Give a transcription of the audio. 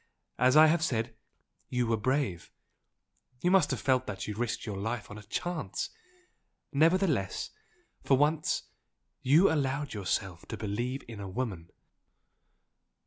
As I have said, you were brave! you must have felt that you risked your life on a chance! nevertheless, for once, you allowed yourself to believe in a woman!"